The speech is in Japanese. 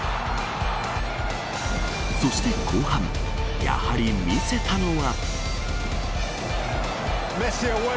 そして後半やはり見せたのは。